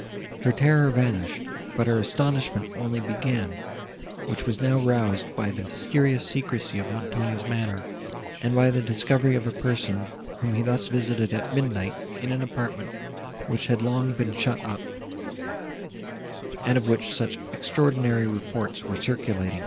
Her terror vanished, but her astonishment only began, which was now roused by the mysterious secrecy of Montoni's manner, and by the discovery of a person, whom he thus visited at midnight, in an apartment, which had long been shut up, and of which such extraordinary reports were circulated.